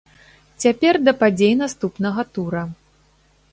Цяпер да падзей наступнага тура.